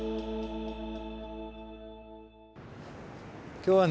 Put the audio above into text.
今日はね